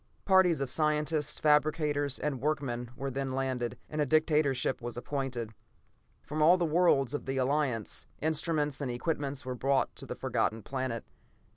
Parties of scientists, fabricators, and workmen were then landed, and a dictator was appointed. From all the worlds of the Alliance, instruments and equipment were brought to the Forgotten Planet.